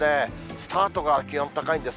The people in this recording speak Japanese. スタートが気温高いんです。